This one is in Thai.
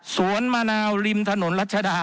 สวนมะนาวริมถนนรัชดา